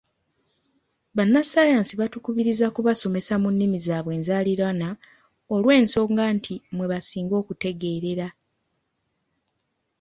Bannassaayansi batukubiriza kubasomesa mu nnimi zaabwe enzaaliranwa olw’ensonga nti mwe basinga okutegeerera.